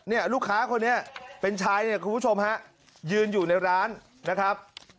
เนี่ยลูกค้าคนนี้เป็นชายเนี่ยคุณผู้ชมฮะยืนอยู่ในร้านนะครับ